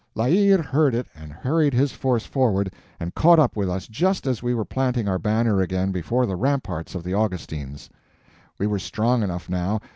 La Hire heard it and hurried his force forward and caught up with us just as we were planting our banner again before the ramparts of the Augustins. We were strong enough now.